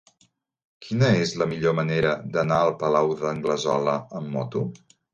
Quina és la millor manera d'anar al Palau d'Anglesola amb moto?